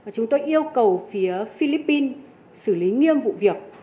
chúng tôi yêu cầu phía philippines xử lý nghiêm vụ việc